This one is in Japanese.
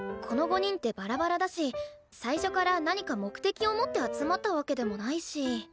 この５人ってバラバラだし最初から何か目的を持って集まったわけでもないし。